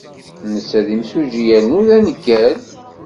Netta d imsujji yernu d aneggal.